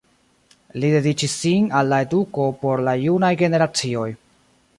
Li dediĉis sin al la eduko por la junaj generacioj.